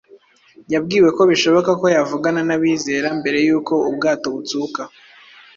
yabwiwe ko bishoboka ko yavugana n’abizera mbere y’uko ubwato butsuka.